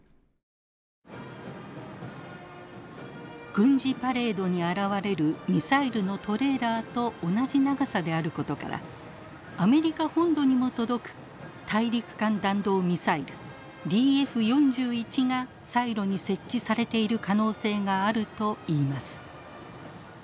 軍事パレードに現れるミサイルのトレーラーと同じ長さであることからアメリカ本土にも届く大陸間弾道ミサイルＤＦ４１がサイロに設置されている可能性があるといいます。